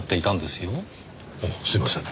すいません。